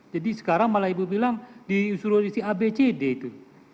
jadi sekarang malah ibu bilang disuruh isi a b c d itu